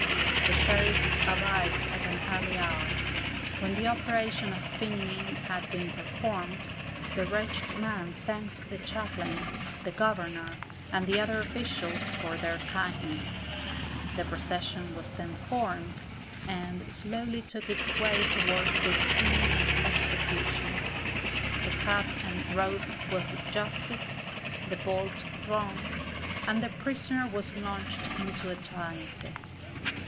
The sheriffs arrived at an early hour. When the operation of pinioning had been performed, the wretched man thanked the chaplain, the governor, and the other officials for their kindness. The procession was then formed, and slowly took its way towards the scene of execution. The cap and rope was adjusted, the bolt drawn, and the prisoner was launched into eternity.